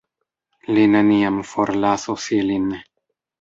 Li neniam forlasos ilin.